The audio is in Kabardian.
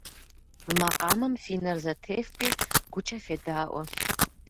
Мы макъамэм фи нэр зэтефпӏи гукӏэ федаӏуэ.